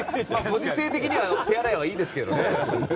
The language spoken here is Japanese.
ご時世的には手洗いはいいですけどね。